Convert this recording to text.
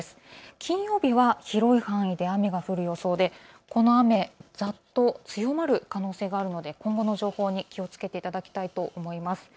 金曜日は広い範囲で雨が降る予想でこの雨、ざっと強まる可能性があるので今後の情報に気をつけていただきたいと思います。